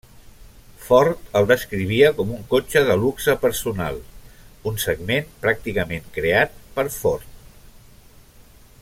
Ford el descrivia com un cotxe de luxe personal, un segment pràcticament creat per Ford.